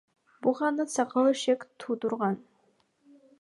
Буга анын сакалы шек туудурган.